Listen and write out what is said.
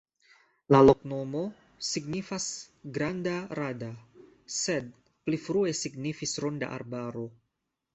La loknomo signifas: granda-rada, sed pli frue signifis ronda arbaro.